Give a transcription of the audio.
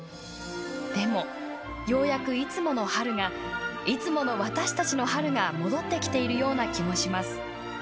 でも、ようやくいつもの春がいつもの私たちの春が戻ってきているような気もします。